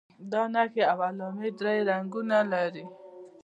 دا نښې او علامې درې رنګونه لري.